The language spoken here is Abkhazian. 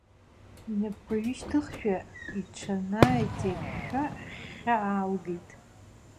Инапқәа ҩышьҭыхшәа, иҽанааиҵеиршәшәа, ахьхьа аалгеит.